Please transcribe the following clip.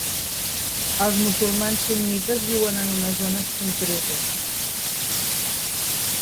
Els musulmans sunnites viuen en unes zones concretes.